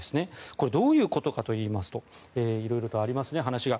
これ、どういうことかといいますと色々とありますね、話が。